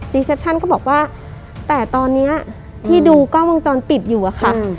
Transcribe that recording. เซปชั่นก็บอกว่าแต่ตอนนี้ที่ดูกล้องวงจรปิดอยู่อะค่ะ